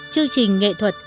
chương trình nghệ thuật